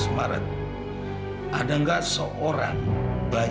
coba apalagi statistik keluar